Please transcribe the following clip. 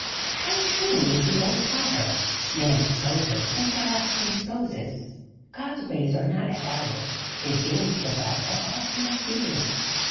How true is the old proverb "Man proposes but God disposes!" God's ways are not as our ways. His dealings with us are often mysterious.